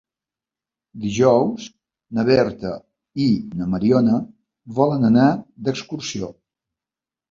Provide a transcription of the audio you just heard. Dijous na Berta i na Mariona volen anar d'excursió.